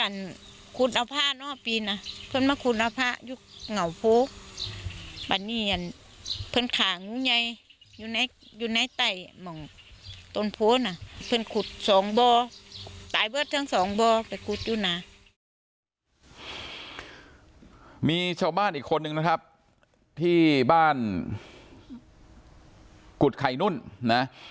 มีชาวบ้านอีกคนนึงนะครับที่บ้านกุฎไข่นุ่นนะ